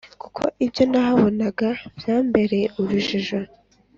kuko ibyo nahabonaga byambereye urujijo,